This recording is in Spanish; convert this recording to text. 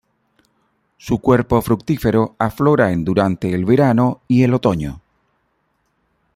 Su cuerpo fructífero aflora en durante el verano y el otoño.